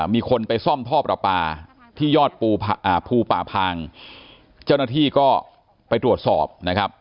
มีคนไปซ่อมท่อประปาที่ยอดภูป่าพางเจ้าหน้าที่ก็ไปตรวจสอบนะครับ